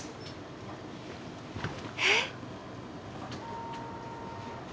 えっ？